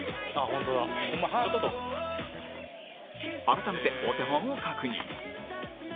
改めてお手本を確認